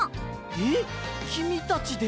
えっきみたちで？